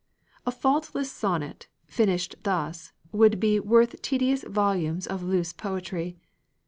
A faultless sonnet, finished thus, would be Worth tedious volumes of loose poetry.